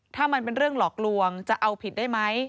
ถ้ามันเป็นเรื่องหลอกลวงจะเอาผิดได้ไหม